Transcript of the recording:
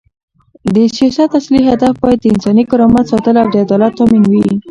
د سیاست اصلي هدف باید د انساني کرامت ساتل او د عدالت تامین وي.